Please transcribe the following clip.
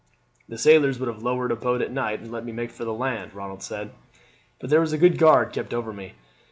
"The sailors would have lowered a boat at night and let me make for the land," Ronald said, "but there was a good guard kept over me.